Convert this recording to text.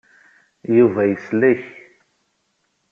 Yuba yeslek.